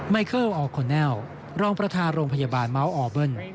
ไมเคียลออร์่์โคเนลล์รองประทานโรงพยาบาลมัลออร์เบิ้ล